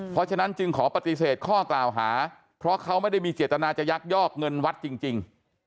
เพราะฉะนั้นจึงขอปฏิเสธข้อกล่าวหาเพราะเขาไม่ได้มีเจตนาจะยักยอกเงินวัดจริง